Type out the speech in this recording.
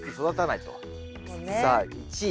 さあ１位。